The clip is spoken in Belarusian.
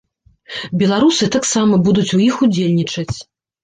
Беларусы таксама будуць у іх удзельнічаць.